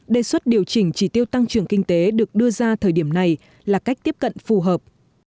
đề xuất điều chỉnh chỉ tiêu tăng trưởng kinh tế được đưa ra thời điểm này là cách tiếp cận phù hợp